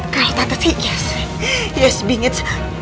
kalau tata sih yes yes bingit